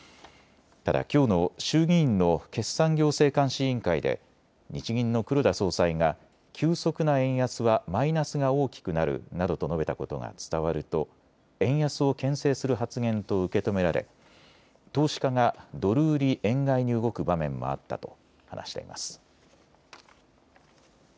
ただ、きょうの衆議院の決算行政監視委員会で日銀の黒田総裁が急速な円安はマイナスが大きくなるなどと述べたことが伝わると円安をけん制する発言と受け止められ投資家がドル売り円買いに動く場面もあったと話しています。